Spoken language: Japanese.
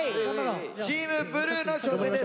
チームブルーの挑戦です。